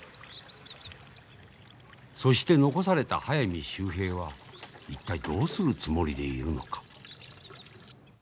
そして残された速水秀平は一体どうするつもりでいるのか。